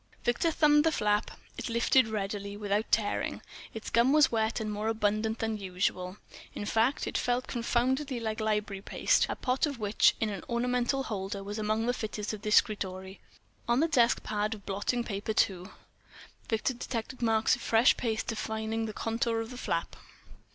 Victor thumbed the flap. It lifted readily, without tearing, its gum was wet and more abundant than usual—in fact, it felt confoundedly like library paste, a pot of which, in an ornamental holder, was among the fittings of the escritoire. On the desk pad of blotting paper, too, Victor detected marks of fresh paste defining the contour of the flap.